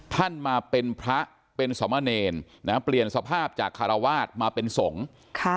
ท่านมาเป็นพระเป็นสมเนรนะเปลี่ยนสภาพจากคารวาสมาเป็นสงฆ์ค่ะ